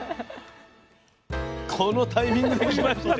このタイミングできましたね。